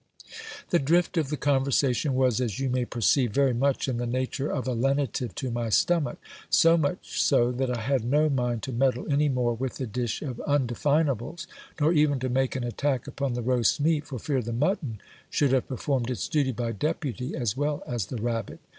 The drift of the conversation was, as you may perceive, very much in the nature of a lenitive to my stomach ; so much so, that I had no mind to meddle any more with the dish of undefinables, nor even to make an attack upon the' roast meat, for fear the mutton should have performed its duty by deputy as well as the rabbit.